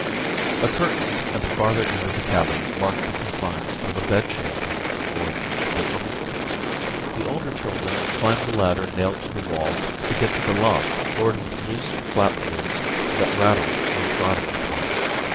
A curtain at the farther end of the cabin marked the confines of a bedchamber for the "old folks." The older children climbed the ladder nailed to the wall to get to the loft floored with loose clapboards that rattled when trodden upon.